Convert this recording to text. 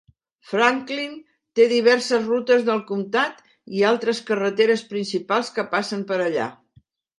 Franklin té diverses rutes del comtat i altres carreteres principals que passen per allà.